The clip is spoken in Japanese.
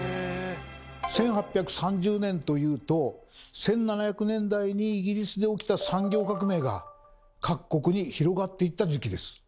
１８３０年というと１７００年代にイギリスで起きた産業革命が各国に広がっていった時期です。